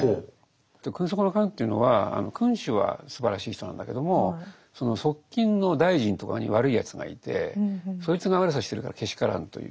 君側の奸というのは君主はすばらしい人なんだけどもその側近の大臣とかに悪いやつがいてそいつが悪さしてるからけしからんという